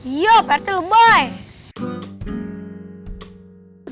iya parete lembain